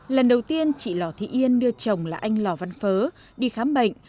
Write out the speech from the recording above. lần đầu tiên chị lò thị yên đưa chồng là anh lò văn phớ đi khám bệnh